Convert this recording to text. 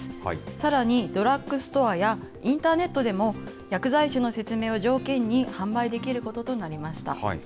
さらにドラッグストアや、インターネットでも、薬剤師の説明を条件に、販売できることとなりました。